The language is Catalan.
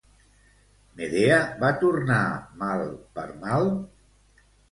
Medea va tornar mal per mal?